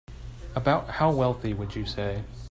About how wealthy would you say?